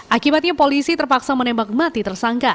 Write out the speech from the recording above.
akibatnya polisi terpaksa menembak mati tersangka